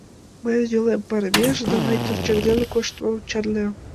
Мыйын йолем паремеш, да мый торчак дене коштмым чарнем.